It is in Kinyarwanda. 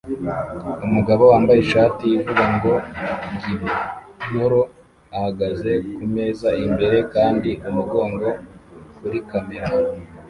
Umugabo wambaye ishati ivuga ngo "Gigolo" ahagaze kumeza imbere kandi umugongo kuri kamera